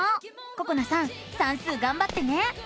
ここなさん算数がんばってね！